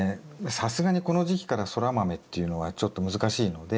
さすがにこの時期からソラマメっていうのはちょっと難しいので。